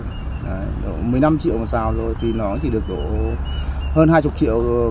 một mươi năm triệu một sào rồi thì nó chỉ được hơn hai mươi triệu rồi